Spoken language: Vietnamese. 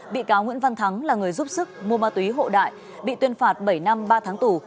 bị cáo nguyễn văn thắng là người giúp sức mua ma túy hộ đại bị tuyên phạt bảy năm ba tháng tù